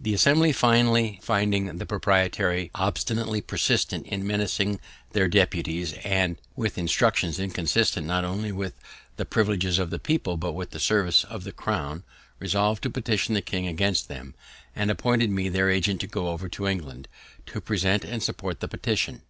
The Assembly finally finding the proprietary obstinately persisted in manacling their deputies with instructions inconsistent not only with the privileges of the people, but with the service of the crown, resolv'd to petition the king against them, and appointed me their agent to go over to England, to present and support the petition.